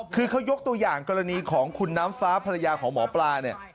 คือเขายกตัวอย่างกรณีของคุณน้ำฟ้าภรรยาของหมอปลาเนี่ย